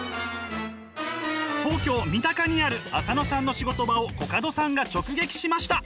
東京・三鷹にある浅野さんの仕事場をコカドさんが直撃しました！